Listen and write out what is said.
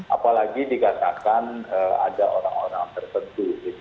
apalagi dikatakan ada orang orang tertentu